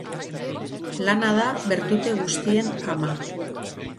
Lana da bertute guztien ama.